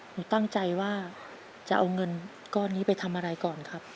หนูตั้งใจว่าจะเอาเงินก้อนนี้ไปทำอะไรก่อนครับ